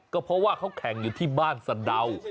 ก็เพราะว่าเขาแข่งอยู่ที่บ้านสะดาว